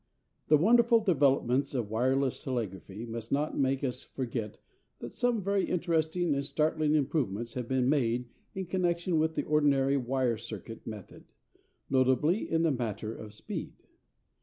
The wonderful developments of wireless telegraphy must not make us forget that some very interesting and startling improvements have been made in connection with the ordinary wire circuit method: notably in the matter of speed.